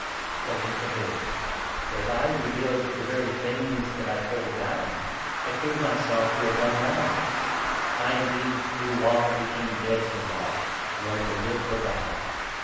Heaven forbid ! For, if I rebuild the very things that I pulled 18 down, I prove myself to have done wrong. I, indeed, ig through Law became dead to Law, in order to live for God.